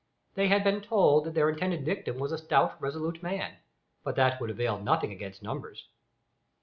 They had been told that their intended victim was a stout resolute man, but that would avail nothing against numbers.